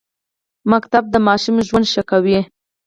ښوونځی د ماشوم ژوند ښه کوي